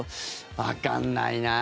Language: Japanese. わかんないなあ。